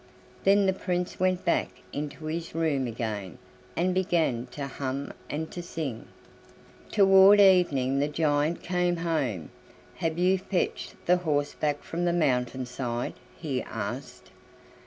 Then the Prince went back into his room again, and began to hum and to sing. Toward evening the giant came home. "Have you fetched the horse back from the mountain side?" he asked.